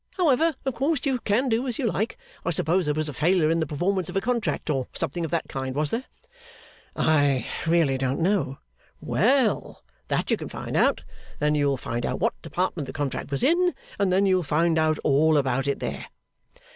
However, of course, you can do as you like. I suppose there was a failure in the performance of a contract, or something of that kind, was there?' 'I really don't know.' 'Well! That you can find out. Then you'll find out what Department the contract was in, and then you'll find out all about it there.